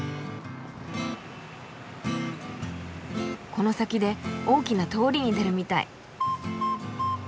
この先で大きな通りに出るみたい。